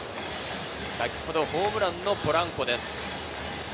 先ほどホームランのポランコです。